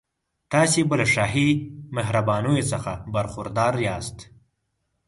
تاسي به له شاهي مهربانیو څخه برخوردار یاست.